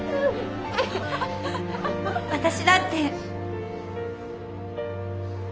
私だって。